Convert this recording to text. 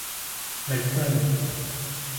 melkoni